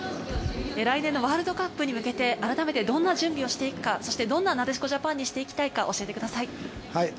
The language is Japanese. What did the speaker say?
来年のワールドカップに向けて、どんな準備をしていくか、どんななでしこジャパンにしていきたいか教えてください。